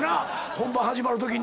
本番始まるときに。